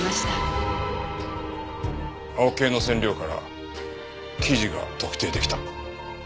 青系の染料から生地が特定出来た。